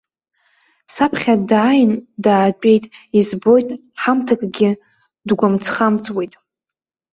Саԥхьа дааин даатәеит, избоит, ҳамҭакгьы дгәамҵхамҵуеит.